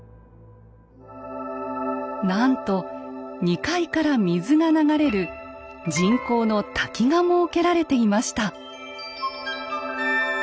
なんと２階から水が流れる人工の滝が設けられていました。